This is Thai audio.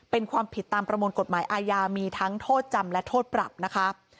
เป็นความผิดตามประมวลกฎหมายอาญามีทั้งโทษจำและโทษปรับนะคะ